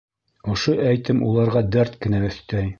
Ошо әйтем уларға дәрт кенә өҫтәй.